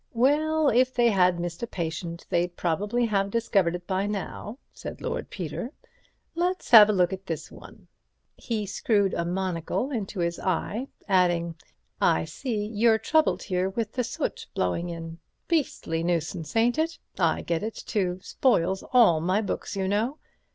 "Well, if they had missed a patient they'd probably have discovered it by now," said Lord Peter. "Let's have a look at this one." He screwed his monocle into his eye, adding: "I see you're troubled here with the soot blowing in. Beastly nuisance, ain't it? I get it, too—spoils all my books, you know.